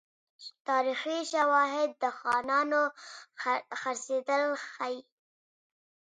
تاریخي شواهد د خانانو خرڅېدل ښيي.